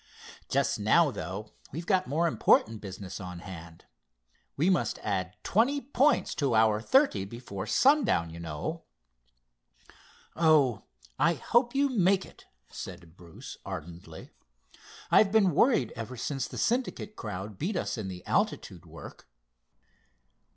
"Just now, though, we've got more important business on hand. We must add twenty points to our thirty before sundown, you know." "Oh, I hope you make it!" said Bruce ardently. "I've been worried ever since the Syndicate crowd beat in the altitude work."